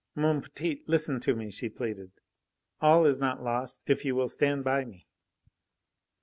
"Mon petit, listen to me!" she pleaded. "All is not lost, if you will stand by me."